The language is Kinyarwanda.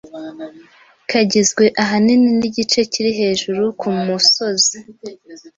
kagizwe ahanini n'igice kiri hejuru ku musozi